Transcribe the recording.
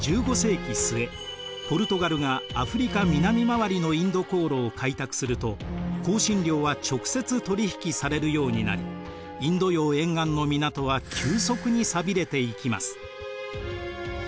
ポルトガルがアフリカ南回りのインド航路を開拓すると香辛料は直接取り引きされるようになりインド洋沿岸の港は急速に寂れていきます。